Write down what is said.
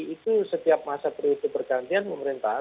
itu setiap masa berikutnya pergantian pemerintahan